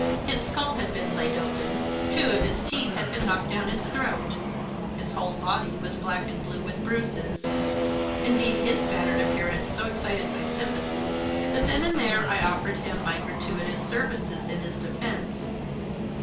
His skull had been laid open, two of his teeth had been knocked down his throat, his whole body was black and blue with bruises. Indeed his battered appearance so excited my sympathy that then and there I offered him my gratuitous services in his defence.